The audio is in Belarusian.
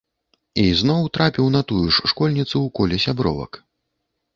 І зноў трапіў на тую ж школьніцу ў коле сябровак.